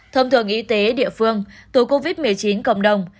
thông thường y tế địa phương từ covid một mươi chín cộng đồng